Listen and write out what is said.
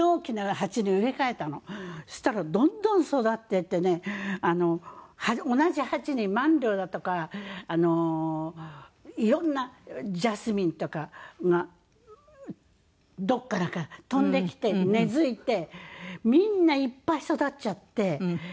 そしたらどんどん育っていってね同じ鉢にマンリョウだとかいろんなジャスミンとかがどこからか飛んできて根付いてみんないっぱい育っちゃって。